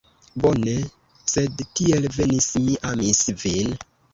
Bone, sed tiel venis, mi amis vin